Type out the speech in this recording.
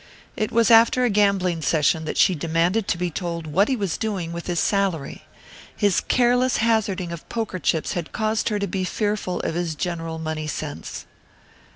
It was after a gambling session that she demanded to be told what he was doing with his salary. His careless hazarding of poker chips had caused her to be fearful of his general money sense.